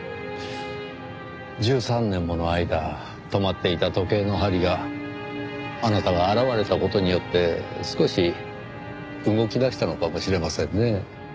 １３年もの間止まっていた時計の針があなたが現れた事によって少し動きだしたのかもしれませんね。